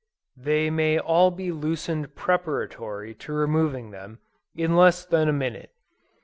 They may all be loosened preparatory to removing them, in less than a minute.